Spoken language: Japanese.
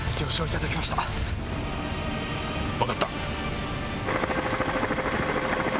分かった。